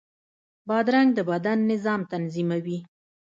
بادرنګ د بدن نظام تنظیموي.